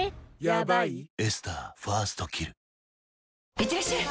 いってらっしゃい！